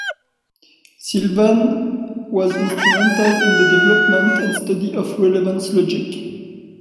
Sylvan was instrumental in the development and study of relevance logic.